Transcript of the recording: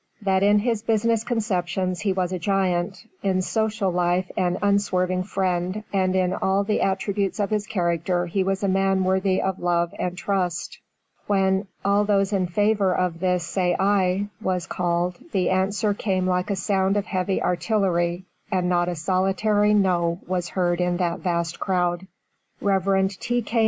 That in his business conceptions he was a giant, in social life an unswerving friend, and in all the attributes of his character he was a man worthy of love and trust." When "All those in favor of this say aye," was called, the answer came like the sound of heavy artillery, and not a solitary 'No' was heard in that vast crowd. Rev. T. K.